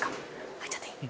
入っちゃっていい？」